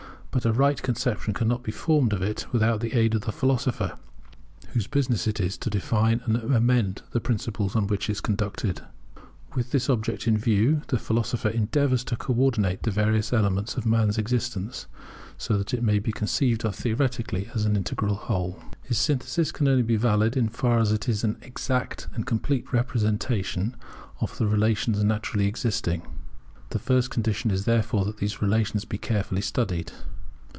But a right conception cannot be formed of it without the aid of the philosopher, whose business it is to define and amend the principles on which it is conducted. With this object in view the philosopher endeavours to co ordinate the various elements of man's existence, so that it may be conceived of theoretically as an integral whole. His synthesis can only be valid in so far as it is an exact and complete representation of the relations naturally existing. The first condition is therefore that these relations be carefully studied.